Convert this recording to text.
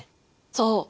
そう。